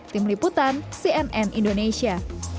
tim liputan cnn indonesia